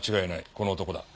この男だ。